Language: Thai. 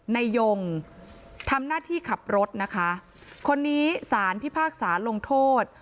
ยงทำหน้าที่ขับรถนะคะคนนี้สารพิพากษาลงโทษ